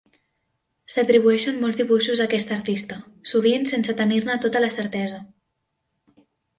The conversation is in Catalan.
S'atribueixen molts dibuixos a aquest artista, sovint sense tenir-ne tota la certesa.